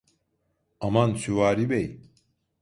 Aman Süvari Bey…